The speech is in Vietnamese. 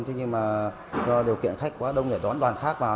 thế nhưng mà do điều kiện khách quá đông để đón đoàn khách vào